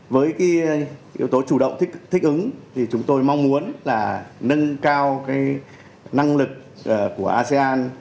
với cái yếu tố chủ động thích ứng thì chúng tôi mong muốn là nâng cao năng lực của asean